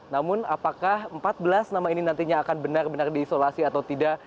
namun apakah empat belas nama ini nantinya akan benar benar diisolasi atau tidak